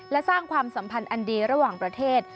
และสร้างความสัมพันธ์อันดีระหว่างประเทศ